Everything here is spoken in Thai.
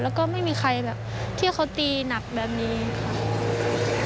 แล้วก็ไม่มีใครแบบที่เขาตีหนักแบบนี้ค่ะ